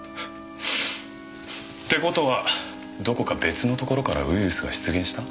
って事はどこか別の所からウイルスが出現した？